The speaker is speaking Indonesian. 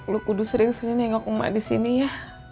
lu kudu sering sering nengok emak disini ya